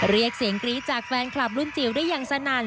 เรียกเสียงกรี๊ดจากแฟนคลับรุ่นจิ๋วได้อย่างสนั่น